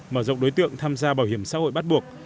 mà dọc đối tượng tham gia bảo hiểm xã hội bắt buộc